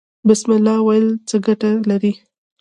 بسم الله ویل څه ګټه لري؟